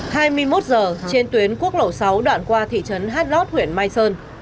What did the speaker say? hai mươi một h trên tuyến quốc lộ sáu đoạn qua thị trấn hát lót huyện mai sơn